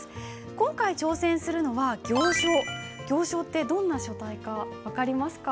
今回挑戦するのは行書ってどんな書体か分かりますか？